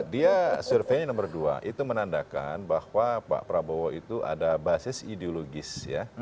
dia surveinya nomor dua itu menandakan bahwa pak prabowo itu ada basis ideologis ya